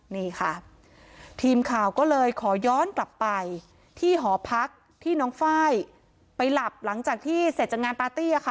นี่ค่ะทีมข่าวก็เลยขอย้อนกลับไปที่หอพักที่น้องไฟล์ไปหลับหลังจากที่เสร็จจากงานปาร์ตี้ค่ะ